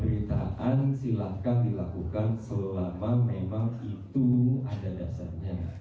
pemberitaan silahkan dilakukan selama memang itu ada dasarnya